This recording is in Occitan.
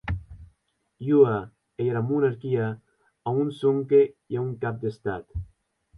Ua ei era monarquia, a on sonque i a un cap d'Estat.